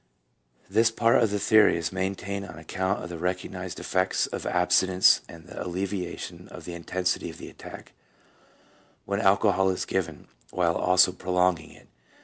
This part of the theory is maintained on account of the recognized effects of abstinence and the alleviation of the intensity of the attack when alcohol is given, while also prolonging it.